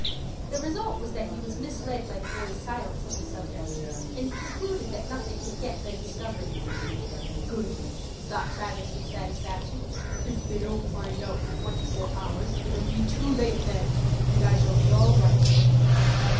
The result was that he was misled by the boys' silence on the subject, and concluded that nothing had yet been discovered. "Good!" thought Travis, with satisfaction. "If they don't find out for twenty four hours, it'll be too late, then, and I shall be all right."